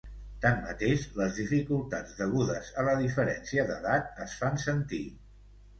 Tanmateix les dificultats degudes a la diferència d'edat es fan sentir.